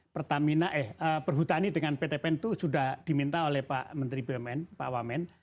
pertamina eh perhutani dengan pt pn itu sudah diminta oleh pak menteri bumn pak wamen